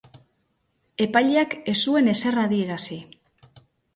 Epaileak ez zuen ezer adierazi.